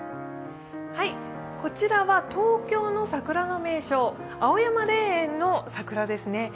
こちらは東京の桜の名所、青山霊園の桜ですね。